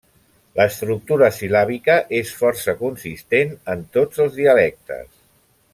L'estructura sil·làbica és força consistent en tots els dialectes.